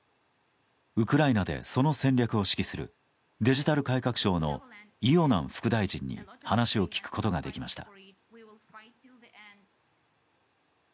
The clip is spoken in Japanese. ウクライナでその戦略を指揮するデジタル改革省のイオナン副大臣に話を聞くことができました。